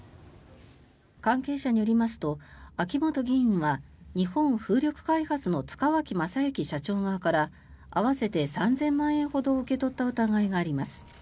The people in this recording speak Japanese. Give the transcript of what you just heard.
関係者によりますと秋本議員は日本風力開発の塚脇正幸社長側から合わせて３０００万円ほどを受け取った疑いがあります。